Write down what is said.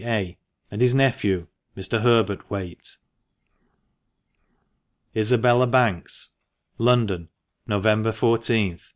A., and his nephew, Mr. Herbert Whaite . ISABELLA BANKS. London, November I4th, 1896.